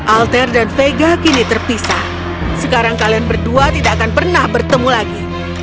alter dan vega kini terpisah sekarang kalian berdua tidak akan pernah bertemu lagi